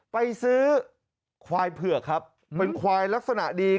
ไปซื้อควายเผือกครับเป็นควายลักษณะดี